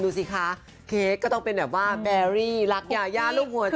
ดูสิคะเค้กก็ต้องเป็นแบบว่าแบรี่รักยายารูปหัวใจ